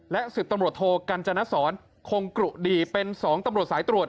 และ๑๐ตำรวจโทกัญจนศรคงกรุดีเป็น๒ตำรวจสายตรวจ